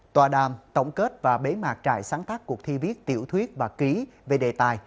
tòa đàm tổng kết và bế mạc trại sáng tác cuộc thi viết tiểu thuyết và ký về đề tài